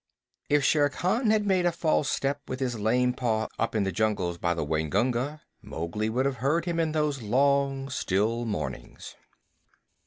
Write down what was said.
If Shere Khan had made a false step with his lame paw up in the jungles by the Waingunga, Mowgli would have heard him in those long, still mornings.